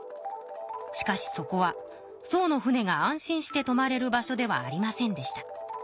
しかしそこは宋の船が安心してとまれる場所ではありませんでした。